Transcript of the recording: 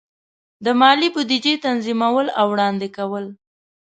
د مالی بودیجې تنظیمول او وړاندې کول.